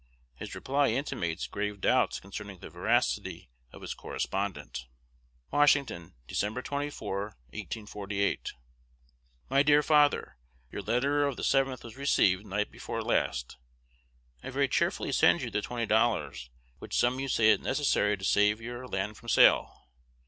His reply intimates grave doubts concerning the veracity of his correspondent. Washington, Dec. 24, 1848. My dear Father, Your letter of the 7th was received night before last. I very cheerfully send you the twenty dollars, which sum you say is necessary to save your land from sale.